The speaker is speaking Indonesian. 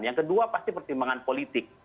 yang kedua pasti pertimbangan politik